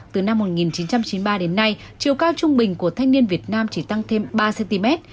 từ năm một nghìn chín trăm chín mươi ba đến nay chiều cao trung bình của thanh niên việt nam chỉ tăng thêm ba cm